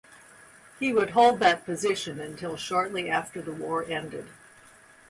He would hold that position until shortly after the war ended.